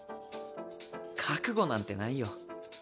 覚悟なんてないよ。